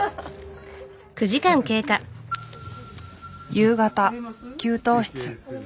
夕方給湯室。